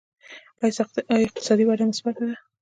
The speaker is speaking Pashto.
آیا اقتصادي وده مثبته ده؟